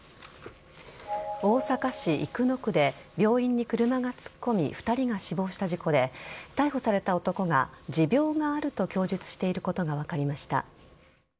大阪市生野区で病院に車が突っ込み２人が死亡した事故で逮捕された男が、持病があると供述していることが分かりました。